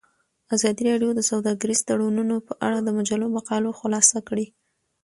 ازادي راډیو د سوداګریز تړونونه په اړه د مجلو مقالو خلاصه کړې.